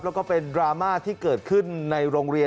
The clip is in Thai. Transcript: แล้วก็เป็นดราม่าที่เกิดขึ้นในโรงเรียน